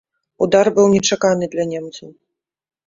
Удар быў нечаканы для немцаў.